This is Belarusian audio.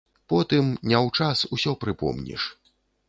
Потым, не ў час, ўсё прыпомніш.